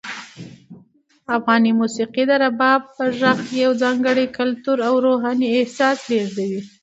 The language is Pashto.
افغاني موسیقي د رباب په غږ سره یو ځانګړی کلتوري او روحاني احساس لېږدوي.